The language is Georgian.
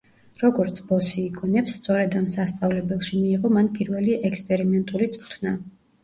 როგორც ბოსი იგონებს, სწორედ ამ სასწავლებელში მიიღო მან პირველი ექსპერიმენტული წვრთნა.